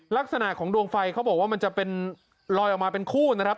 ลักษณะของดวงไฟเขาบอกว่ามันจะเป็นลอยออกมาเป็นคู่นะครับ